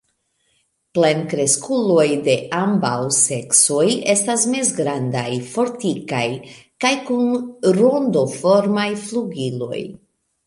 Plenkreskuloj de ambaŭ seksoj estas mezgrandaj, fortikaj kaj kun rondoformaj flugiloj.